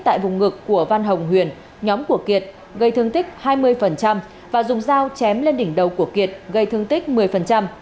tại vùng ngực của văn hồng huyền nhóm của kiệt gây thương tích hai mươi và dùng dao chém lên đỉnh đầu của kiệt gây thương tích một mươi